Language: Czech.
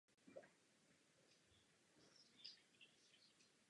To je můj bratr.